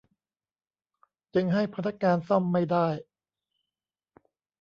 จึงให้พนักงานซ่อมไม่ได้